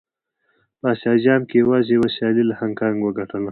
په اسيا جام کې يې يوازې يوه سيالي له هانګ کانګ وګټله.